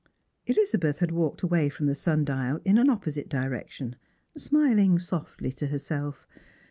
" Elizabeth had walked away from the sundial in an opposite direction, smiling soi'tly to herself.